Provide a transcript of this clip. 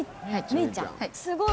はい。